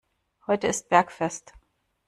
Heute ist Bergfest.